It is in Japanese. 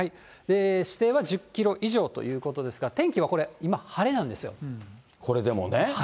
視程は１０キロ以上ということですが、天気はこれ、今晴れなこれでもね。